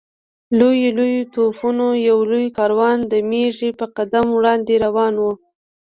لویو لویو توپونو یو لوی کاروان د مېږي په قدم وړاندې روان و.